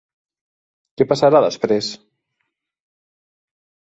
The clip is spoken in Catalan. Què passarà després?